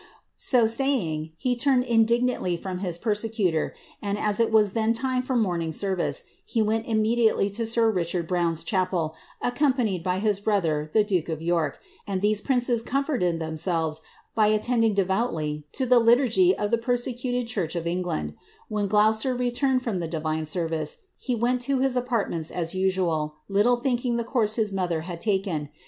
So saying, he turned indignantly from his persecutor, and, as it was then time for morning service, he went inmiediately to sir Richard ^Carte's Life of Ormonde, vol. ii. p. 16G. 156 REIfRIBTTA XASIA. Browne's chapel, accompanied by his brother, the duke of Toi these princes comforted themselves by attending devoutly to the of the persecuted church of England. When Gloucester retume divine service, he went to his apartments as usual, little thinki course his mother had taken.